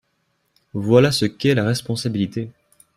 Voilà ce qu’est la responsabilité